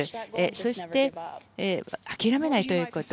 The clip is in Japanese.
そして、諦めないということ。